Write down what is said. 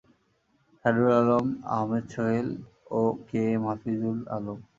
খায়রুল আলম, আহমেদ সোহেল ও K M Hafizul Alam.